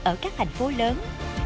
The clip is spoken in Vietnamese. ở các thành phố lớn